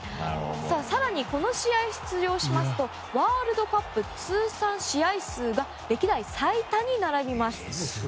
更に、この試合に出場しますとワールドカップ通算試合数が歴代最多に並びます。